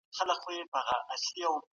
ایا بهرني سوداګر وچ انار ساتي؟